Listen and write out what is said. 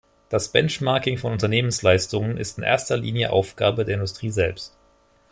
Das Benchmarking von Unternehmensleistungen ist in erster Linie Aufgabe der Industrie selbst.